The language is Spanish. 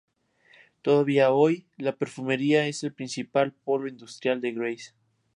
Todavía hoy, la perfumería es el principal polo industrial de Grasse.